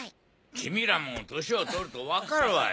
君らも年を取ると分かるわい。